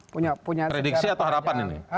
punya prediksi atau harapan ini